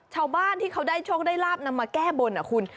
ชาวบ้านที่เขาได้โชคได้ลาบนำมาแก้บนคุณ